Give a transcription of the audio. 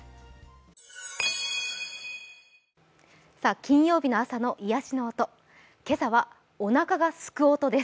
金曜日の朝の癒やしの音、今朝はおなかがすく音です。